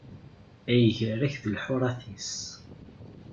Ay gar-ak d lḥuṛat-is!